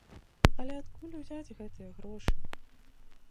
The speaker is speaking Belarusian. Але адкуль узяць гэтыя грошы?